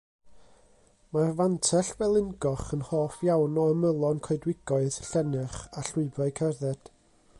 Mae'r Fantell felyngoch yn hoff iawn o ymylon coedwigoedd, llennyrch a llwybrau cerdded.